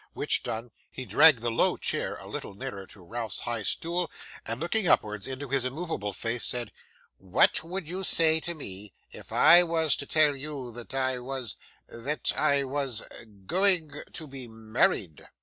which done, he dragged the low chair a little nearer to Ralph's high stool, and looking upwards into his immovable face, said, 'What would you say to me, if I was to tell you that I was that I was going to be married?